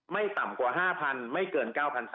ไม่ต่ำกว่า๕๐๐ไม่เกิน๙๘๐๐